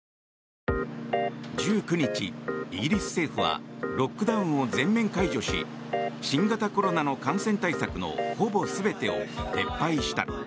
１９日、イギリス政府はロックダウンを全面解除し新型コロナの感染対策のほぼ全てを撤廃した。